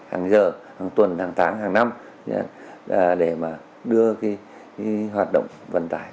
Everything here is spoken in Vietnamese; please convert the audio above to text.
hàng giờ hàng tuần hàng tháng hàng năm để mà đưa hoạt động vận tải